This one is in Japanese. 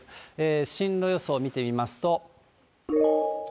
進路予想見てみますと。